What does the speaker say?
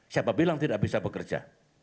siapa bilang tidak bisa bekerja